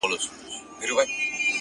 ته چي راغلې سپين چي سوله تور باڼه،